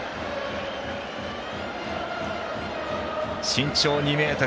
身長２ｍ。